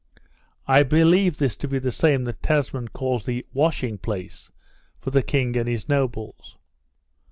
I believe this to be the same that Tasman calls the washing place for the king and his nobles.